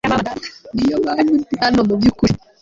niyo mpamvu ndi hano, mubyukuri